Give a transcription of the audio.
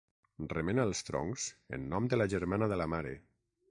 Remena els troncs en nom de la germana de la mare.